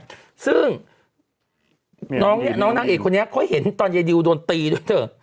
อะไรอย่างเงี้ยซึ่งน้องเนี้ยน้องนางเอกคนนี้ค่อยเห็นตอนเยดิวโดนตีด้วยเถอะ